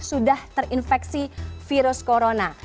sudah terinfeksi virus corona